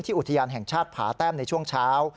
อุทยานแห่งชาติผาแต้มในช่วงเช้า